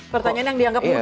pertanyaan yang dianggap mudah